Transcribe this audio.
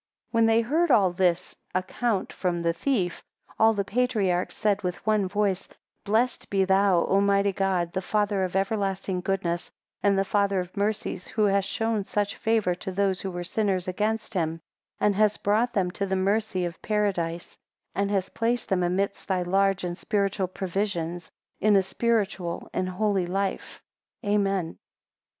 14 When they heard all this account from the thief, all the patriarchs said with one voice, Blessed be thou, O Almighty God, the Father of everlasting goodness, and the Father of mercies, who hast shown such favour to those who were sinners against him, and hast brought them to the mercy of Paradise, and hast placed them amidst thy large and spiritual provisions, in a spiritual and holy life. Amen.